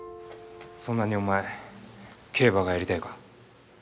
そんなにお前競馬がやりたいか。